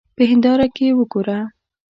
په هېنداره کې وګوره.